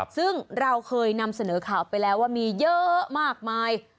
ซึ่งเราเคยนำเสนอข่าวไปแล้วว่ามีเยอะมากมาย